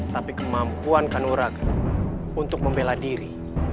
tapi kemampuan kanurage untuk membela diri